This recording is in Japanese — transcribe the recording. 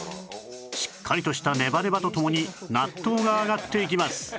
しっかりとしたネバネバとともに納豆が上がっていきます